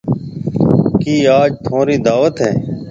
ڪِي آج ٿونرِي دعوت هيَ؟